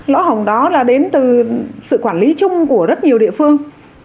lỗ hổng đó là đến từ sự quản lý chung của rất nhiều địa phương